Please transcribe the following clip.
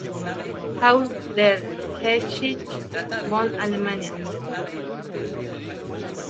Haus der Geschichte, Bonn, Alemania.